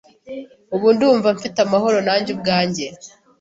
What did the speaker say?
Ubu ndumva mfite amahoro nanjye ubwanjye.